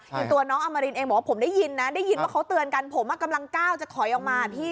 ตัวน้องอมรินเองบอกว่าผมได้ยินนะได้ยินว่าเขาเตือนกันผมกำลังก้าวจะถอยออกมาพี่